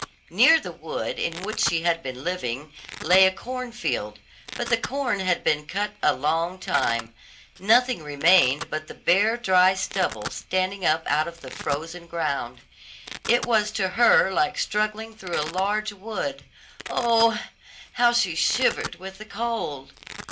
Near the wood in which she had been living lay a corn field, but the corn had been cut a long time; nothing remained but the bare dry stubble standing up out of the frozen ground. It was to her like struggling through a large wood. Oh! how she shivered with the cold.